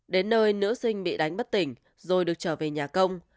đến nơi nữ sinh bị đánh bất tỉnh rồi được trở về nhà công